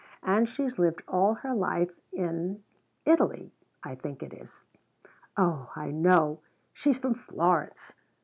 And she's lived all her life in Italy, I think it is. Oh I know! She's from Florence.